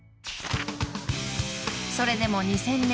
［それでも２０００年。